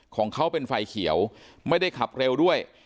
ของเขาเป็นไฟเขียวไม่ได้ขับเร็วด้วย